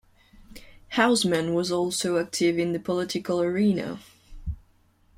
Houseman was also active in the political arena.